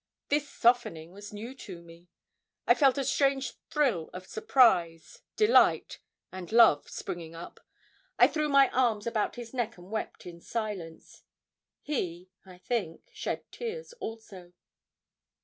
This softening was new to me. I felt a strange thrill of surprise, delight, and love, and springing up, I threw my arms about his neck and wept in silence. He, I think, shed tears also.